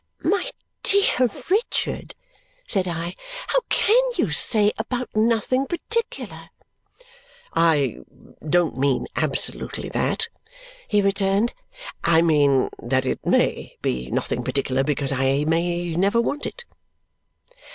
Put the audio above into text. "My dear Richard," said I, "how CAN you say about nothing particular?" "I don't mean absolutely that," he returned. "I mean that it MAY be nothing particular because I may never want it."